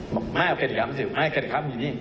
บอกว่าไม่เอาเครติกราฟสิไม่เครติกราฟอยู่นี่